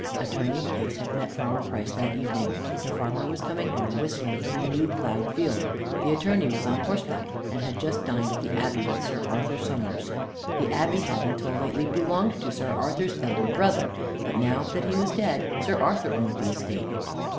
Attorney Case had met Farmer Price that evening. The farmer was coming home, whistling, from a new plowed field. The Attorney was on horseback, and had just dined at the Abbey with Sir Arthur Somers. The Abbey had until lately belonged to Sir Arthur's elder brother, but now that he was dead, Sir Arthur owned the estate.